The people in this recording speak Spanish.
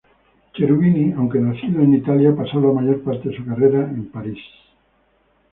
Cherubini, aunque nacido en Italia, pasó la mayor parte de su carrera en París.